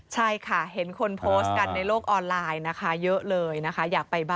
ใช่ค่ะเห็นคนโพสต์กันในโลกออนไลน์นะคะเยอะเลยนะคะ